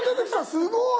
すごい！